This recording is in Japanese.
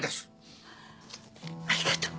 ありがとう。